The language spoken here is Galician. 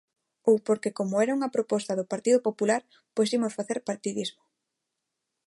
Ou porque como era unha proposta do Partido Popular pois imos facer partidismo.